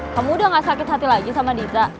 kamu udah gak sakit hati lagi sama dita